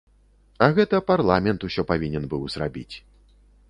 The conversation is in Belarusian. А гэта парламент усё павінен быў зрабіць.